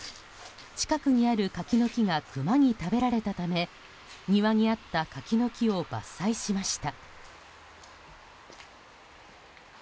近くにある柿の木がクマに食べられたため庭にあった柿の木を伐採しました。